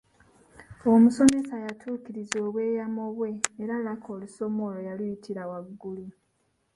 Omusomesa yatuukiriza obweyamo bwe era Lucky olusoma olwo yaluyitira waggulu.